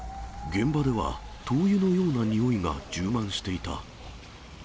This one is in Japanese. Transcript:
現場では灯油のような臭いが充満していた。